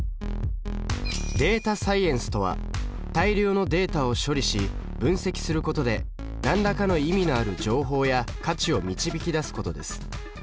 データサイエンスとは大量のデータを処理し分析することで何らかの意味のある情報や価値を導き出すことです。